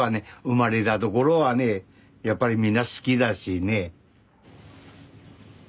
生まれた所はねやっぱりみんな好きだしね。